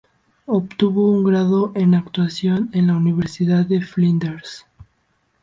Obtuvo un grado en actuación en la Universidad de Flinders.